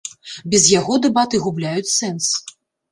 Без яго дэбаты губляюць сэнс!